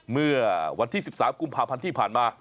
เมื่อวันที่๑๓กุมภาพันธ์ที่ผ่านมา